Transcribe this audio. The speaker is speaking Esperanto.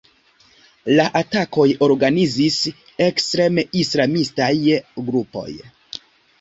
La atakojn organizis ekstrem-islamistaj grupoj.